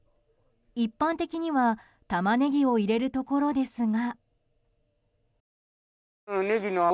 一般的にはタマネギを入れるところですが。